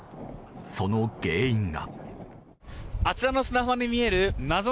その原因が。